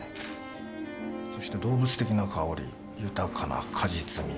そして動物的な香り豊かな果実味。